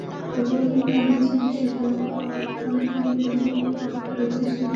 রুবেলকে নেওয়া হয়েছে বিশ্বকাপে অ্যাডিলেডে ইংল্যান্ডের বিপক্ষে বাংলাদেশের সেই ঐতিহাসিক ম্যাচের কারণে।